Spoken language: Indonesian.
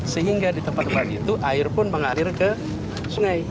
sehingga di tempat tempat itu air pun mengalir ke sungai